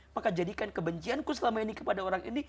maka jadikan kebencianku selama ini kepada orang ini